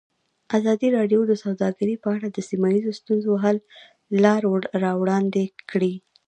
ازادي راډیو د سوداګري په اړه د سیمه ییزو ستونزو حل لارې راوړاندې کړې.